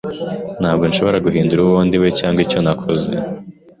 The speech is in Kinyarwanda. Ntabwo nshobora guhindura uwo ndiwe cyangwa icyo nakoze.